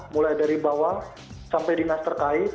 mulai dari bawah sampai dinas terkait